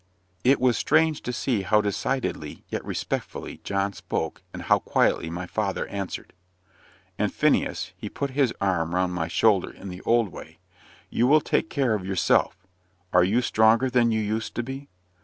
It was strange to see how decidedly, yet respectfully, John spoke, and how quietly my father answered. "And, Phineas" he put his arm round my shoulder in his old way "you will take care of yourself. Are you any stronger than you used to be?"